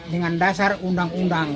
dengan dasar undang undang